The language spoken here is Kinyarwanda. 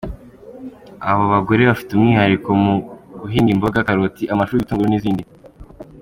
Aba bagore bafite umwihariko mu guhinga imboga, karoti, amashu, ibitunguru n’izindi.